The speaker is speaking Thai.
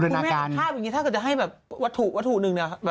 ถ้าคุณแม่ภาพอย่างนี้ถ้าคุณจะให้วัตถุหนึ่ง